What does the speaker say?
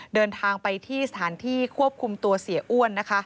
เดินทางไปที่สถานที่ควบคุมตัวเสียอ้วนนะคะ